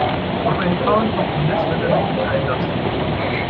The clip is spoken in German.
Auf einen faulen Kompromiss wird er sich nicht einlassen.